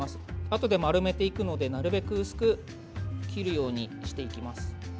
あとで丸めていくので、なるべく薄く切るようにしていきます。